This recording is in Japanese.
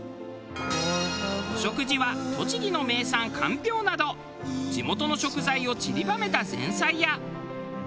お食事は栃木の名産かんぴょうなど地元の食材をちりばめた前菜や。